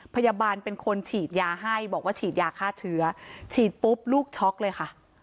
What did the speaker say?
พยาบาลเป็นคนฉีดยาให้บอกว่าฉีดยาฆ่าเชื้อฉีดปุ๊บลูกช็อกเลยค่ะ